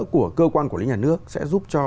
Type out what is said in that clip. của cơ quan quản lý nhà nước sẽ giúp cho